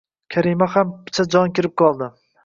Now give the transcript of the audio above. Karimaga ham picha jon kirib qoldi